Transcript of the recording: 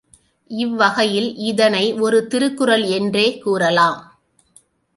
இவ்வகையில் இதனை ஒரு திருக்குறள் என்றே கூறலாம்.